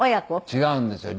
違うんですよ。